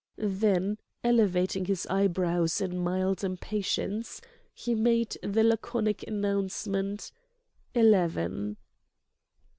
Then, elevating his eyebrows in mild impatience, he made the laconic announcement: "Eleven."